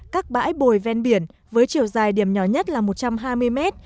các bãi bồi ven biển với chiều dài điểm nhỏ nhất là một trăm hai mươi mét